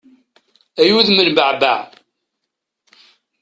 Ay udem n baɛbaɛ!